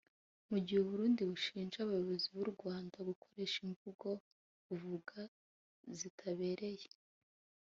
Mu gihe u Burundi bushinja abayobozi b’u Rwanda gukoresha imvugo buvuga zitabereye